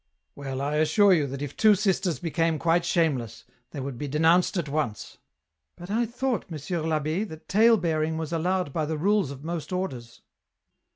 Well, I assure you that if two sisters became quite shameless they would be denounced at once." " But I thought. Monsieur VAhh6, that tale bearing was allowed by the rules of most orders